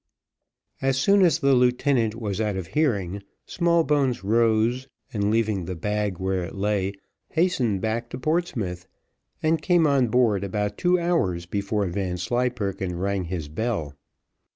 As soon as the lieutenant was out of hearing, Smallbones rose, and leaving the bag where it lay, hastened back to Portsmouth, and came on board about two hours before Vanslyperken rang his bell.